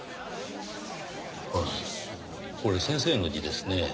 これ先生の字ですねぇ。